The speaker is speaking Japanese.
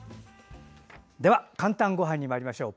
では、「かんたんごはん」にまいりましょう。